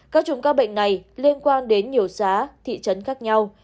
các chùm các bệnh này liên quan đến nhiều xã thị trấn khác nhau